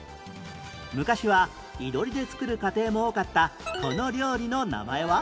昔は囲炉裏で作る家庭も多かったこの料理の名前は？